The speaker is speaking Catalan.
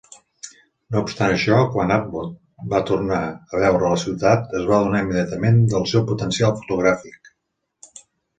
No obstant això, quan Abbott va tornar a veure la ciutat, es va adonar immediatament del seu potencial fotogràfic.